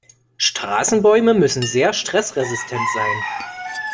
Straßenbäume müssen sehr stressresistent sein.